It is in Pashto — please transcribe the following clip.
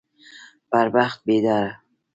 پر بخت بيداره